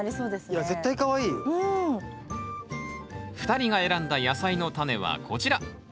２人が選んだ野菜のタネはこちら。